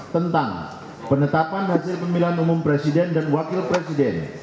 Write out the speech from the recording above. tentang penetapan hasil pemilihan umum presiden dan wakil presiden